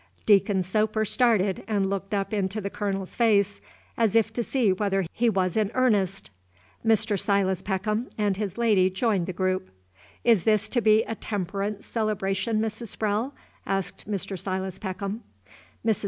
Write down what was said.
Deacon Soper started and looked up into the Colonel's face, as if to see whether he was in earnest. Mr. Silas Peckham and his lady joined the group. "Is this to be a Temperance Celebration, Mrs. Sprowle?" asked Mr. Silas Peckham. Mrs.